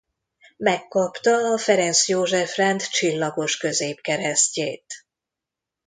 Megkapta a Ferenc József-rend csillagos középkeresztjét.